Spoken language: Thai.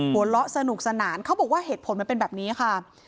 หัวเราะสนุกสนานเขาบอกว่าเหตุผลมันเป็นแบบนี้ค่ะ